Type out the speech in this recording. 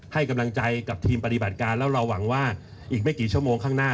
ให้กำลังใจกับทีมปฏิบัติการแล้วเราหวังว่าอีกไม่กี่ชั่วโมงข้างหน้า